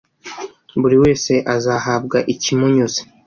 buri wese azahabwa ikimunyuze